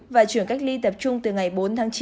và chuyển cách ly tập trung từ ngày bốn tháng chín